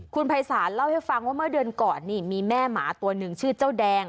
คุณภัยศาลเล่าให้ฟังว่าเมื่อเดือนก่อนนี่มีแม่หมาตัวหนึ่งชื่อเจ้าแดง